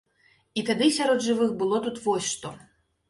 І тады сярод жывых было тут вось што.